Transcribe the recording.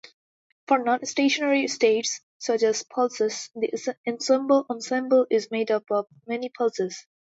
For non-stationary states, such as pulses, the ensemble is made up of many pulses.